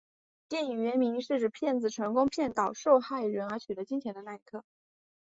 电影原名是指骗子成功骗倒受害人而取得金钱的那一刻。